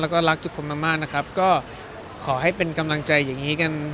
แล้วก็รักทุกคนมากมากนะครับก็ขอให้เป็นกำลังใจอย่างนี้กัน